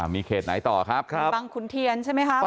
มีเขตไหนต่อครับบังขุนเทียนใช่ไหมครับ